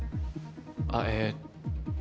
あっえっと。